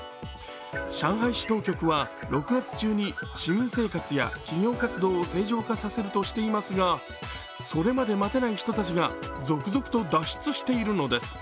上海市当局は６月中に市民生活や企業活動を正常化させるとしていますがそれまで待てない人たちが続々と脱出しているのです。